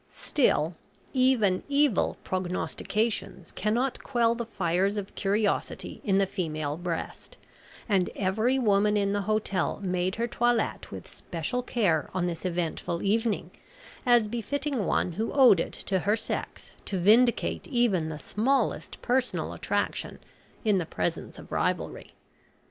Still, even evil prognostications cannot quell the fires of curiosity in the female breast, and every woman in the hotel made her toilette with special care on this eventful evening, as befitting one who owed it to her sex to vindicate even the smallest personal attraction in the presence of rivalry.